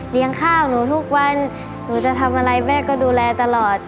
ข้าวหนูทุกวันหนูจะทำอะไรแม่ก็ดูแลตลอด